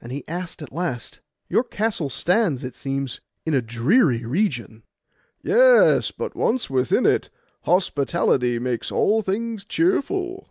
And he asked at last, 'Your castle stands, it seems, in a dreary region.' 'Yes; but once within it, hospitality makes all things cheerful.